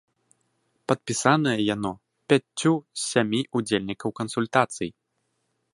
Падпісанае яно пяццю з сямі ўдзельнікаў кансультацый.